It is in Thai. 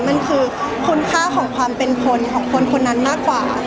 มันคือคุณค่าของความเป็นผลของคนคนนั้นมากกว่า